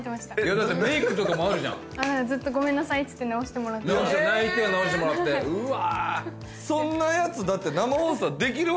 だってメイクとかもあるじゃんずっとごめんなさいっつって直してもらって泣いては直してもらってうわ